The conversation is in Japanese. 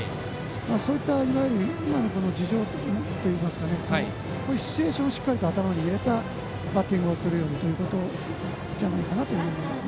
そういった、いわゆる今の事情といいますかねこういうシチュエーションをしっかり頭に入れたバッティングをするようにということじゃないかと思います。